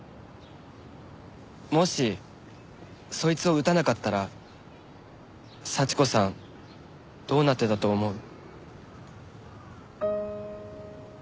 もしそいつを撃たなかったら幸子さんどうなってたと思う？